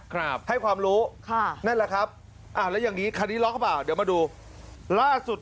ครับค่ะให้ความรู้นั่นแหละครับแล้วอย่างนี้คันนี้ล็อคหรือเปล่าเดี๋ยวมาดู